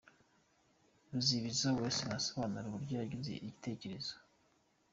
Ruzibiza Wesley asobanura uburyo yagize igitekerzo.